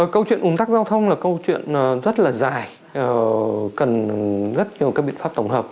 câu chuyện ủng tắc giao thông là câu chuyện rất là dài cần rất nhiều các biện pháp tổng hợp